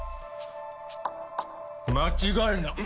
間違いない。